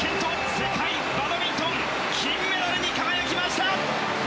世界バドミントン金メダルに輝きました！